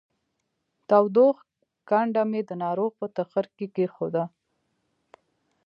تودوښ کنډه مې د ناروغ په تخرګ کې کېښوده